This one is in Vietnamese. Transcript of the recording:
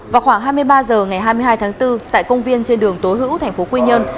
vào khoảng hai mươi ba h ngày hai mươi hai tháng bốn tại công viên trên đường tố hữu thành phố quy nhơn